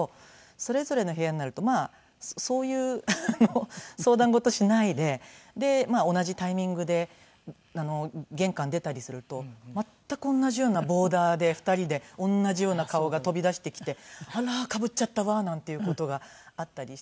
それぞれの部屋になるとそういうあの相談事しないでで同じタイミングで玄関出たりすると全く同じようなボーダーで２人で同じような顔が飛び出してきてあらかぶっちゃったわなんていう事があったりして。